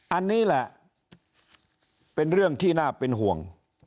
อันนี้แหละเป็นเรื่องที่น่าเป็นห่วง